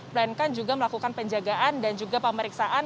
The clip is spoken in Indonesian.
melainkan juga melakukan penjagaan dan juga pemeriksaan